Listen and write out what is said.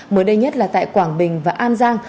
mới đây nhất là tại quảng bình và an giang